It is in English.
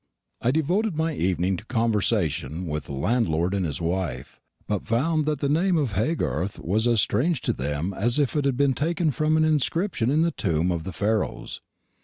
I devoted my evening to conversation with the landlord and his wife, but found that the name of Haygarth was as strange to them as if it had been taken from an inscription in the tomb of the Pharaohs.